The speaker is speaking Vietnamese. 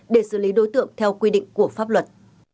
để xử lý đối tượng theo quy định của pháp luật